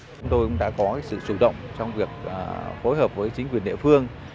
chúng tôi cũng đã có sự chủ động trong việc phối hợp với chính quyền địa phương